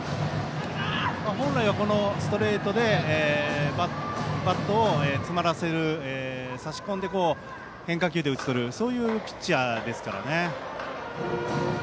本来はストレートでバットを詰まらせる差し込んで変化球で打ち取るそういうピッチャーですからね。